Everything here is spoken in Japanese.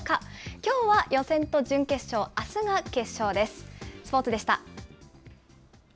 きょうは予選と準決勝、あすが決勝です。